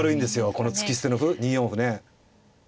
この突き捨ての歩２四歩ね。